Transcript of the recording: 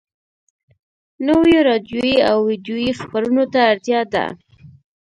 نويو راډيويي او ويډيويي خپرونو ته اړتيا ده.